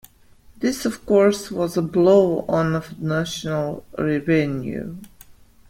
This, of course, was a blow on the national revenue.